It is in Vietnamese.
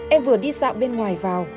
em vừa đi dạo bên ngoài vào